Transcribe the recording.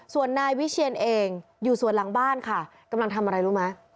ส่วนนายวิเชียนเองอยู่ส่วนหลังบ้านค่ะกำลังทำอะไรรู้ไหม